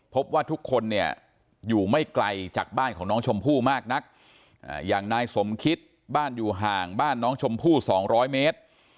พบว่าทุกคนเนี่ยอยู่ไม่ไกลจากบ้านของน้องชมพู่มากนักอย่างนายสมคิดบ้านอยู่ห่างบ้านน้องชมพู่๒๐๐เมตร